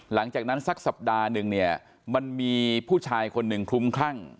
หลังจากนั้นสักสัปดาห์หนึ่งเนี่ยมันมีผู้ชายคนหนึ่งคลุมคลั่ง